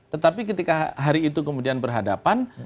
tetapi ketika hari itu kemudian berhadapan